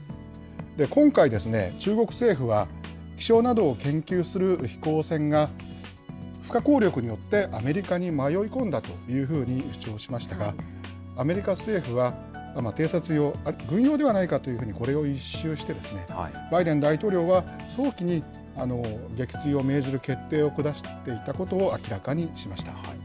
今回、中国政府は、気象などを研究する飛行船が、不可抗力によってアメリカに迷い込んだというふうに主張しましたが、アメリカ政府は、偵察用、軍用ではないかというふうにこれを一蹴して、バイデン大統領は早期に撃墜を命じる決定を下していたことを明らかにしました。